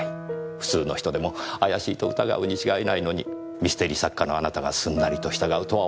普通の人でも怪しいと疑うに違いないのにミステリー作家のあなたがすんなりと従うとは思えません。